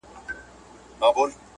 خو زه د دغو ټولو حادثو سره بلد یم